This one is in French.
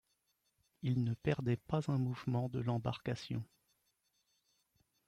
Il ne perdait pas un mouvement de l’embarcation.